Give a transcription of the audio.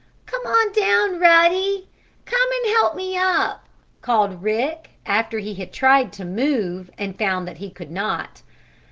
"Come on down, Ruddy. Come and help me up!" called Rick, after he had tried to move and found that he could not.